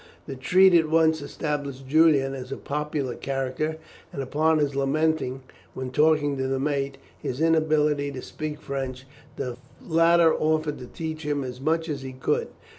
This treat at once established Julian as a popular character, and upon his lamenting, when talking to the mate, his inability to speak French, the latter offered to teach him as much as he could.